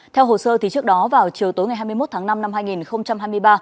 theo hồ sơ trước đó vào chiều tối ngày hai mươi một tháng năm năm hai nghìn hai mươi ba